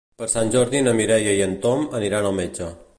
Per Sant Jordi na Mireia i en Tom aniran al metge.